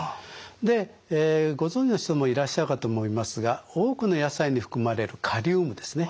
でご存じの人もいらっしゃるかと思いますが多くの野菜に含まれるカリウムですね。